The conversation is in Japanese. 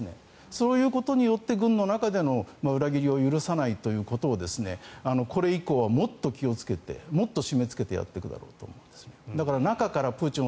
そういうことによって軍の中での裏切りを許さないということをこれ以降はもっと気をつけてもっと締めつけてやっていくだろうと思うんですね。